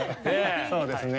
そうですね。